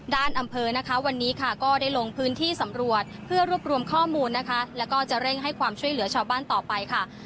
อำเภอนะคะวันนี้ค่ะก็ได้ลงพื้นที่สำรวจเพื่อรวบรวมข้อมูลนะคะแล้วก็จะเร่งให้ความช่วยเหลือชาวบ้านต่อไปค่ะ